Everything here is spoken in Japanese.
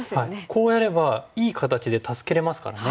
こうやればいい形で助けれますからね。